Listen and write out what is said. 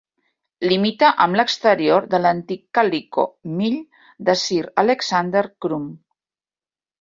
Limita amb l'exterior de l'antic Calico Mill de Sir Alexander Crum.